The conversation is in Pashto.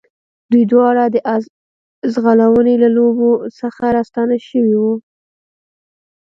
دوی دواړه د آس ځغلونې له لوبو څخه راستانه شوي وو.